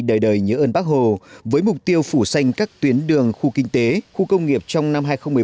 đời đời nhớ ơn bác hồ với mục tiêu phủ xanh các tuyến đường khu kinh tế khu công nghiệp trong năm hai nghìn một mươi bốn